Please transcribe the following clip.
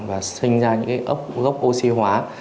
và sinh ra những gốc oxy hóa